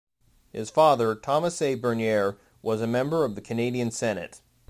His father, Thomas A. Bernier, was a member of the Canadian Senate.